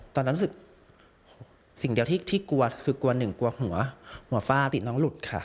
ตอนนั้นรู้สึกสิ่งเดียวที่กลัวคือกลัวหนึ่งกลัวหัวฝ้าติดน้องหลุดค่ะ